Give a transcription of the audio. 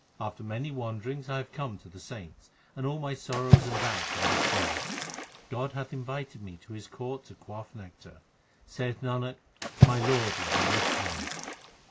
After many wanderings I have come to the saints, And all my sorrows and doubts are dispelled. God hath invited me to His court to quaff nectar. Saith Nanak, my Lord is the most high.